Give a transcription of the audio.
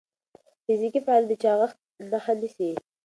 فزیکي فعالیت د چاغښت مخه نیسي.